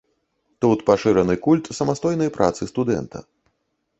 Тут пашыраны культ самастойнай працы студэнта.